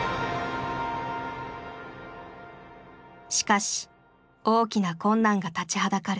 しかし大きな困難が立ちはだかる。